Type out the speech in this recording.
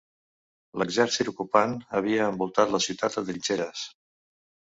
L'exèrcit ocupant havia envoltat la ciutat de trinxeres.